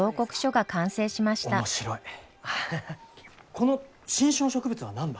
この新種の植物は何だ？